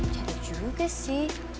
jadinya juga sih